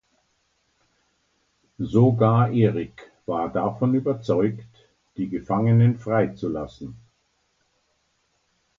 Sogar Eric war davon überzeugt die Gefangenen frei zu lassen.